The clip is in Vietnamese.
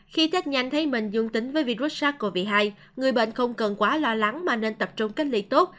khi test nhanh thấy mình dương tính với virus sars cov hai người bệnh không cần quá lo lắng mà nên tập trung cách ly tốt